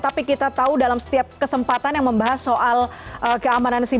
tapi kita tahu dalam setiap kesempatan yang membahas soal keamanan siber